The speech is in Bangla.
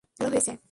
হ্যাঁ, ভালো হয়েছে।